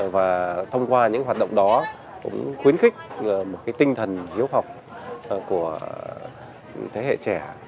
và thông qua những hoạt động đó cũng khuyến khích một tinh thần hiếu học của thế hệ trẻ